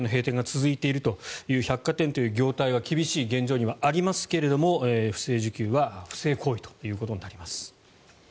百貨店の閉店が続いていると、百貨店の業態は厳しい現状にはありますが不正受給は不正行為ということになります。